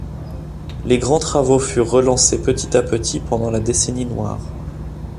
Les grands travaux furent relancés petit à petit pendant la décennie noire.